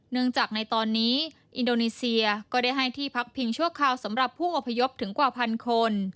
จากในตอนนี้อินโดนีเซียก็ได้ให้ที่พักพิงชั่วคราวสำหรับผู้อพยพถึงกว่าพันคน